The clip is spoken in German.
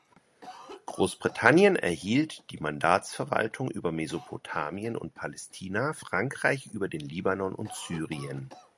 Großbritannien erhielt die Mandatsverwaltung über Mesopotamien und Palästina, Frankreich über den Libanon und Syrien.